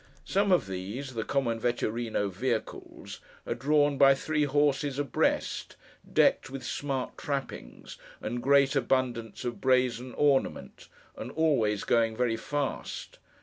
Some of these, the common Vetturíno vehicles, are drawn by three horses abreast, decked with smart trappings and great abundance of brazen ornament, and always going very fast.